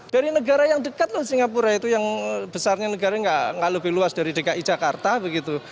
dari negara yang dekat loh singapura itu yang besarnya negara nggak lebih luas dari dki jakarta begitu